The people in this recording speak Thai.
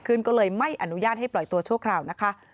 ขึ้นก็เลยไม่อนุญาตให้ปล่อยตัวชั่วคราวนะคะ